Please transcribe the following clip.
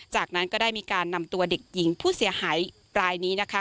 จากนั้นก็ได้มีการนำตัวเด็กหญิงผู้เสียหายรายนี้นะคะ